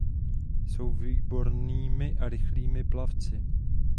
Jsou výbornými a rychlými plavci.